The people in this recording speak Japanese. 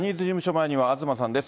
前には東さんです。